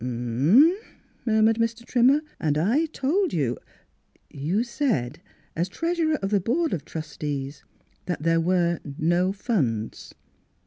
" M m m," murmured Mr. Trimmer. " And I told you —"" You said, as treasurer of the Board of Trustees, that there were no funds."